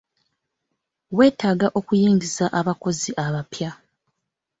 Weetaaga okuyingiza abakozi abapya.